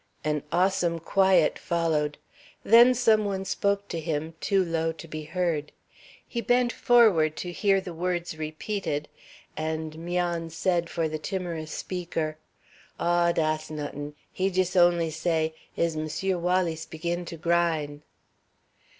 An awesome quiet followed. Then some one spoke to him, too low to be heard. He bent forward to hear the words repeated, and 'Mian said for the timorous speaker: "Aw, dass nut'n; he jis only say, 'Is M'sieu' Walleece big in to gryne?'"